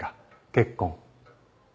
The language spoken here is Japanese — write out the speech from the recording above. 結婚？